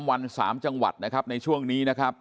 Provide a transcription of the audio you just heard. วัน๓จังหวัดนะครับในช่วงนี้นะครับ